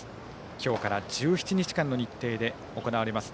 今日から１７日間の日程で行われます。